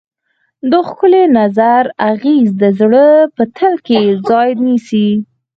د ښکلي نظر اغېز د زړه په تل کې ځای نیسي.